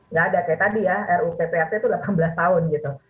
nggak ada kayak tadi ya rutprt itu delapan belas tahun gitu